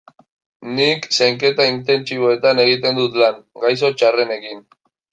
Nik Zainketa Intentsiboetan egiten dut lan, gaixo txarrenekin.